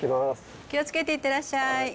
気をつけていってらっしゃい。